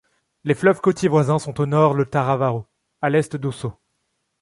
Les fleuves côtiers voisins sont au nord le Taravo, à l'est l'Oso.